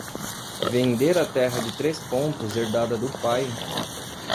Vender a terra de três pontos herdada do pai